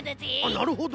なるほど。